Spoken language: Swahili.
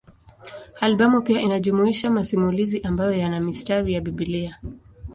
Albamu pia inajumuisha masimulizi ambayo yana mistari ya Biblia.